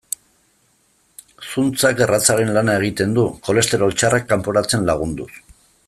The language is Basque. Zuntzak erratzaren lana egiten du, kolesterol txarra kanporatzen lagunduz.